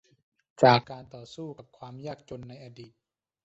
จากการต่อสู้กับความยากจนในอดีต